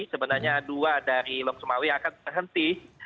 sebenarnya dua dari lok sumawi akan terhenti